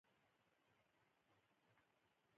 هغه هم د یوې بلنې پر اساس راغلی و